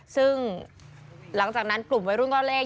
ซึ่งหลังจากนั้นกลุ่มวัยรุ่นก็เลข